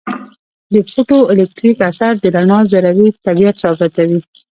د فوټو الیټکریک اثر د رڼا ذروي طبیعت ثابتوي.